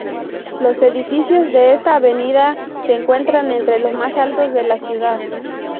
Los edificios de esta avenida se encuentran entre los más altos de la ciudad.